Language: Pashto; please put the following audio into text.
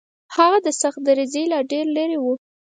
هغه د سختدریځۍ لا ډېر لرې و.